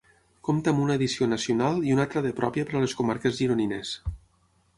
Compta amb una edició nacional i una altra de pròpia per a les comarques gironines.